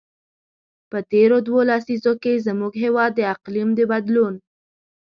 په تېرو دوو لسیزو کې، زموږ هېواد د اقلیم د بدلون.